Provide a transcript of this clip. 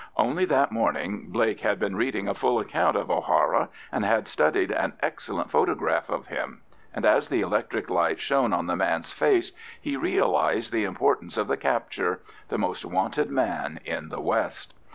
Only that morning Blake had been reading a full account of O'Hara, and had studied an excellent photograph of him, and as the electric light shone on the man's face, he realised the importance of the capture—the most wanted man in the west.